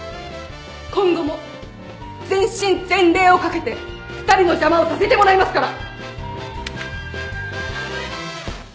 今後も全身全霊をかけて２人の邪魔をさせてもらいますから！